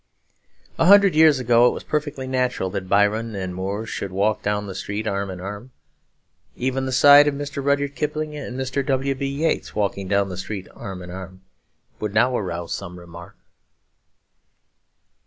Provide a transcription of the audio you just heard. A hundred years ago it was perfectly natural that Byron and Moore should walk down the street arm in arm. Even the sight of Mr. Rudyard Kipling and Mr. W. B. Yeats walking down the street arm in arm would now arouse some remark.